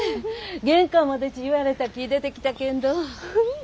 玄関までち言われたき出てきたけんど。